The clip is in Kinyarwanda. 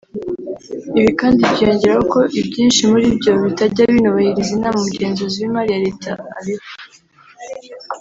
Ibi kandi byiyongeraho ko ibyinshi muri byo bitajya binubahiriza inama umugenzuzi w’Imari ya Leta abiha